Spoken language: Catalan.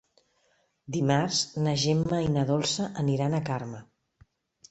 Dimarts na Gemma i na Dolça aniran a Carme.